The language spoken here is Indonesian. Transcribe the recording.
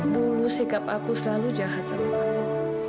dulu sikap aku selalu jahat sama kamu